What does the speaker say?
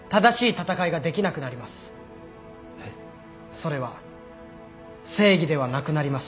それは正義ではなくなります。